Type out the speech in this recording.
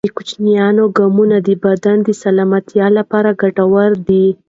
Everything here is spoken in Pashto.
کوچني ګامونه د بدن د سلامتیا لپاره ګټور دي.